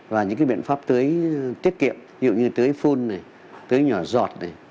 và những biện pháp tưới tiết kiệm dựa như tưới phun tưới nhỏ giọt